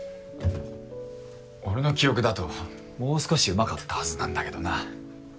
俺の記憶だともう少し上手かったはずなんだけどな。